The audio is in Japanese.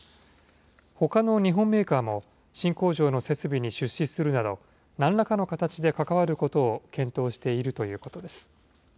ほかの日本メーカーも新工場の設備に出資するなど、なんらかの形で関わることを検討しているということです。